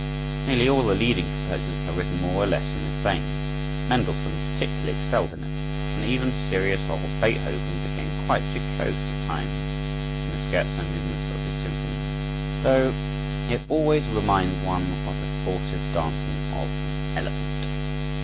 Nearly all the leading composers have written more or less in this vein. Mendelssohn particularly excelled in it, and even serious old Beethoven became quite jocose at times in the scherzo movements of his symphonies; though it always reminds one of the sportive dancing of an elephant.